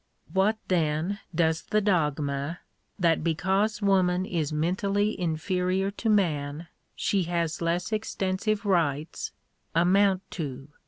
What then does the dogma, that because woman is mentally inferior to man she has less extensive rights, amount to